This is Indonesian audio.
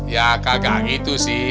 ya kagak gitu sih